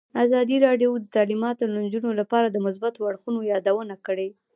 ازادي راډیو د تعلیمات د نجونو لپاره د مثبتو اړخونو یادونه کړې.